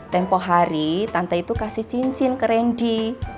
tempoh hari tante itu kasih cincin ke randy